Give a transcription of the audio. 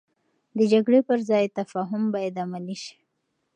د جګړې پر ځای تفاهم باید عملي شي.